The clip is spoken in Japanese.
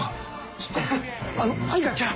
ちょっとあの藍花ちゃん。